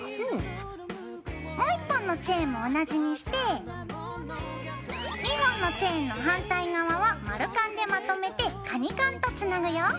もう１本のチェーンも同じにして２本のチェーンの反対側は丸カンでまとめてカニカンとつなぐよ。